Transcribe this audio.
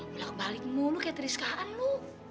belak balik mulu kayak teriskaan lu